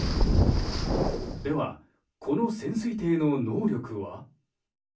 では、この潜水艇の能力は？